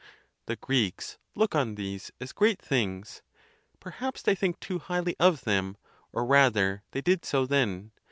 The Greeks look on these as great things; perhaps they think too highly of them, or, rather, they did so then.